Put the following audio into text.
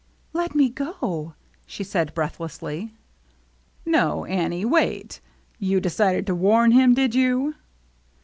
" Let me go !" she said breathlessly. " No, Annie, wait. You decided to warn him, did you